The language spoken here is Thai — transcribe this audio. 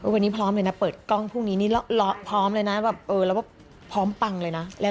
วันนี้พร้อมเลยนะเปิดกล้องพรุ่งนี้นี่พร้อมเลยนะแบบเออแล้วก็พร้อมปังเลยนะ